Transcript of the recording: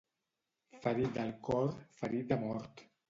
Ferit del cor, ferit de mort.